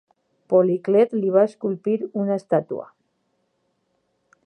Policlet li va esculpir una estàtua.